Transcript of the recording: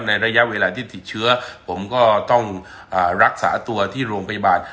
ระยะเวลาที่ติดเชื้อผมก็ต้องรักษาตัวที่โรงพยาบาล